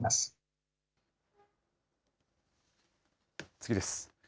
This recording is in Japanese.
次です。